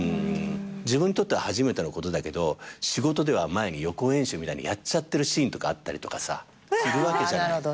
自分にとっては初めてのことだけど仕事では前に予行演習みたいにやっちゃってるシーンとかあったりとかさするわけじゃない。